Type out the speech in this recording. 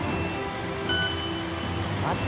待って。